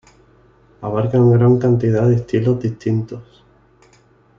Abarcan gran cantidad de estilos distintos.